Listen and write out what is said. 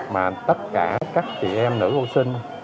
mà tất cả các chị em nữ hô sinh